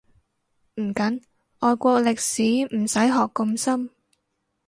唔緊，外國歷史唔使學咁深